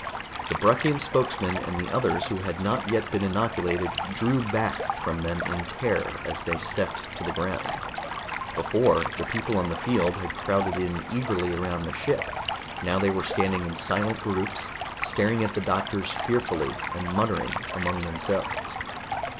The Bruckian spokesman and the others who had not yet been inoculated drew back from them in terror as they stepped to the ground. Before, the people on the field had crowded in eagerly around the ship; now they were standing in silent groups staring at the doctors fearfully and muttering among themselves.